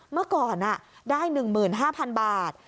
เมื่อก่อนได้๑๕๐๐๐บาท